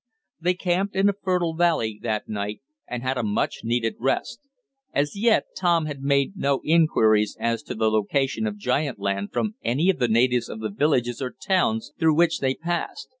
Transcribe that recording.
They camped in a fertile valley that night, and had a much needed rest. As yet Tom had made no inquiries as to the location of giant land from any of the natives of the villages or towns through which they passed.